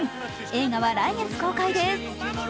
映画は来月公開です。